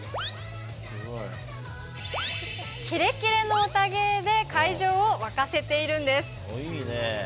キレッキレのオタ芸で会場を沸かせているんです。